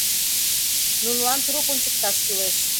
Нунылан трук ончыкташ кӱлеш.